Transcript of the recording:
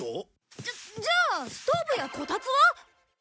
じゃじゃあストーブやコタツは？